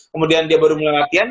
kemudian dia baru mulai latihan